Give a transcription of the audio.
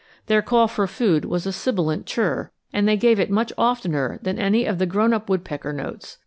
Their call for food was a sibilant chirr, and they gave it much oftener than any of the grown up woodpecker notes.